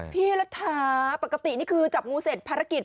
พี่รัฐาปกตินี่คือจับงูเสร็จภารกิจ